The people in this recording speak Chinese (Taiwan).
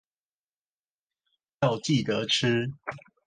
要記得吃